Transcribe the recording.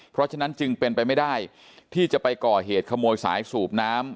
เพราะฉะนั้นจึงเป็นไปไม่ได้ที่จะไปก่อเหตุขโมยสายสูบน้ำ